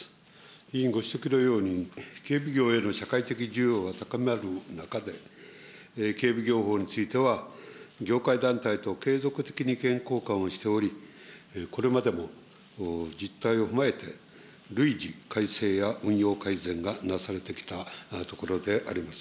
委員ご指摘のように、警備業への社会的需要が高まる中で、警備業法については、業界団体と継続的に意見交換をしており、これまでも実態を踏まえて、累次改正や運用改善がなされてきたところであります。